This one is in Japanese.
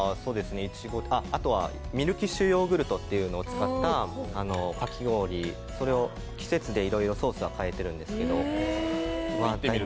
ミルキッシュヨーグルトというのを使ったかき氷、それを季節でいろいろソースは変えているんですけど。